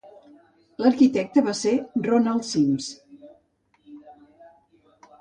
L'arquitecte va ser Ronald Sims.